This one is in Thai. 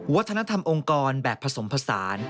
วัฒนธรรมองค์กรแบบผสมผสาน